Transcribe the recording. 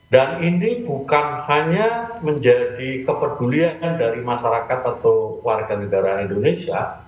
dan ini bukan hanya menjadi kepedulian dari masyarakat atau warga negara indonesia